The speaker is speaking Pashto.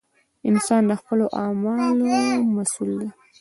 • انسان د خپلو اعمالو مسؤل دی.